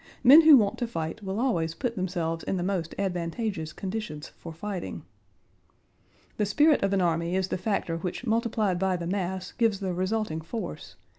Men who want to fight will always put themselves in the most advantageous conditions for fighting. The spirit of an army is the factor which multiplied by the mass gives the resulting force.